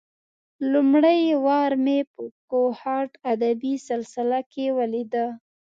لومړۍ وار مې په کوهاټ ادبي سلسله کې ولېده.